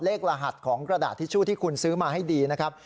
รหัสของกระดาษทิชชู่ที่คุณซื้อมาให้ดีนะครับ